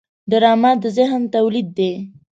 ډرامه د ذهن تولید دی